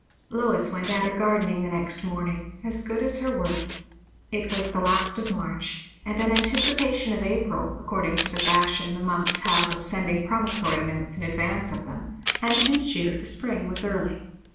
Lois went at her gardening the next morning, as good as her word. It was the last of March, and an anticipation of April, according to the fashion the months have of sending promissory notes in advance of them; and this year the spring was early.